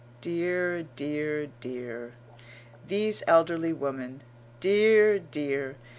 Dear, dear, dear! these elderly women. Dear, dear!"